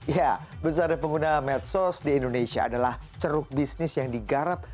ya besarnya pengguna medsos di indonesia adalah ceruk bisnis yang digarap